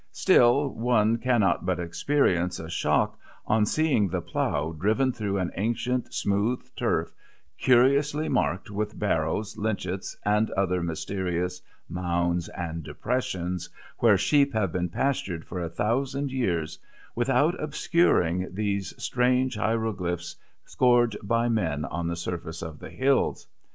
Still one cannot but experience a shock on seeing the plough driven through an ancient, smooth turf, curiously marked with barrows, lynchetts, and other mysterious mounds and depressions, where sheep have been pastured for a thousand years, without obscuring these chance hieroglyphs scored by men on the surface of the hills.